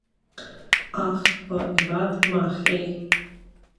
Ach ba i bhfad amach é.